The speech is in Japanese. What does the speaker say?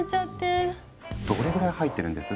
どれぐらい入ってるんです？